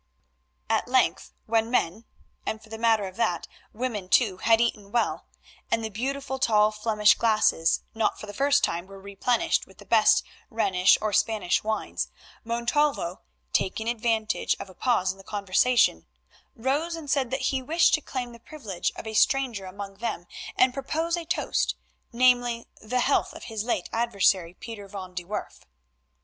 At length, when men, and, for the matter of that, women, too, had well eaten, and the beautiful tall Flemish glasses not for the first time were replenished with the best Rhenish or Spanish wines, Montalvo, taking advantage of a pause in the conversation, rose and said that he wished to claim the privilege of a stranger among them and propose a toast, namely, the health of his late adversary, Pieter van de Werff.